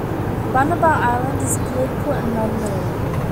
Banaba Island is a political anomaly.